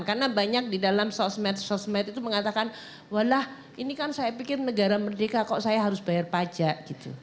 karena banyak di dalam sosmed sosmed itu mengatakan walah ini kan saya pikir negara merdeka kok saya harus bayar pajak